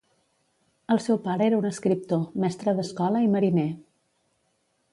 El seu pare era un escriptor, mestre d'escola i mariner.